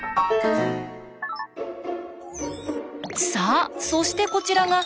さあそしてこちらが「Ｓ」。